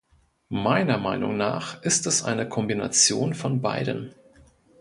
Meiner Meinung nach ist es eine Kombination von beiden.